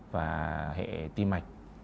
và hệ tim mạch